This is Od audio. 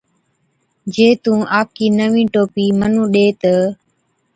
جي تُون آپڪِي نَوِين ٽوپِي مُنُون ڏِي تہ،